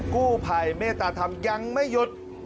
กู้ภัยเมตตาธรรมยังไม่หยุด